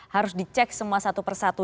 harus dicek semua satu persatu